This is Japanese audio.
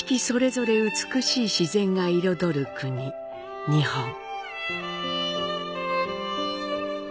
それぞれ美しい自然が彩る国、日本。